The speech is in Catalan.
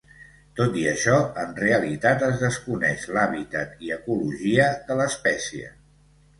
Tot i això, en realitat es desconeix l'hàbitat i ecologia de l'espècie.